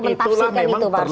mentafsirkan itu pak arsul